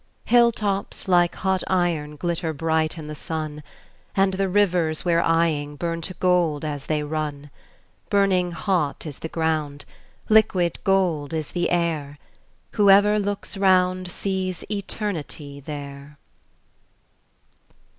Hill tops like hot iron glitter bright in the sun, And the rivers we're eying burn to gold as they run; Burning hot is the ground, liquid gold is the air; Whoever looks round sees Eternity there.